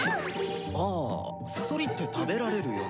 あサソリって食べられるよな。